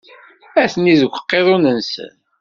Atni deg uqiḍun-nsen.